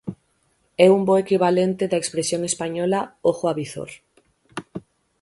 É un bo equivalente da expresión española 'ojo avizor'.